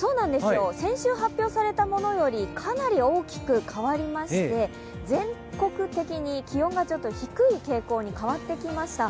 先週発表されたものよりかなり大きく変わりまして全国的に気温が低い傾向に変わってきました。